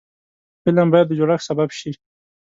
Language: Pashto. فلم باید د جوړښت سبب شي